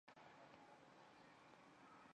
母亲是林贤妃。